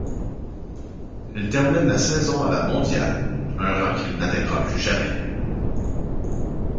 Il termine la saison à la mondiale, un rang qu'il n'atteindra plus jamais.